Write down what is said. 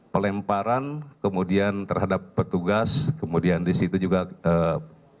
pelemparan kemudian terhadap petugas kemudian disitu juga kemudian